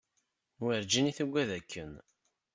Werǧin i tugad akken.